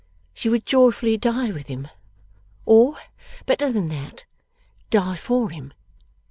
She would joyfully die with him, or, better than that, die for him.